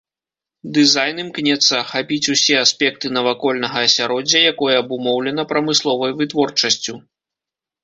Дызайн імкнецца ахапіць усе аспекты навакольнага асяроддзя, якое абумоўлена прамысловай вытворчасцю.